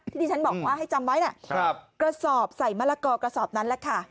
ที่ที่ฉันบอกว่าให้จำไว้นะกระสอบใส่มะละกอกระสอบนั้นแหละค่ะ